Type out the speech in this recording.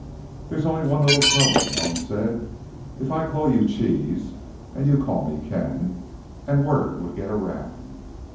"There's only one little trouble," Malone said. "If I called you Cheese, you'd call me Ken. And word would get around."